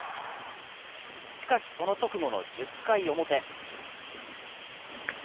しかし、その直後の１０回表。